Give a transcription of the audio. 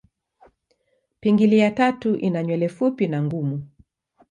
Pingili ya tatu ina nywele fupi na ngumu.